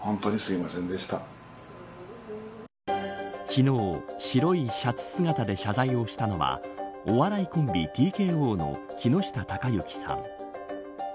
昨日白いシャツ姿で謝罪をしたのはお笑いコンビＴＫＯの木下隆行さん。